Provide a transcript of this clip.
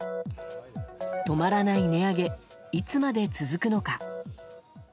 止まらない値上げいつまで続くのか。